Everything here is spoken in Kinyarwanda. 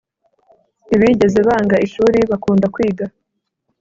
Ntibigeze banga ishuri, bakunda kwiga